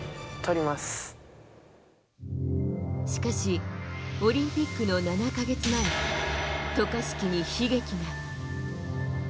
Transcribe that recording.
しかしオリンピックの７か月前渡嘉敷に悲劇が。